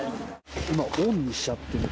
今、オンにしちゃってるんで。